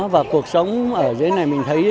và cuộc sống ở dưới này mình thấy